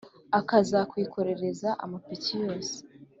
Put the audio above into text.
Akazakwikorereza amapiki yose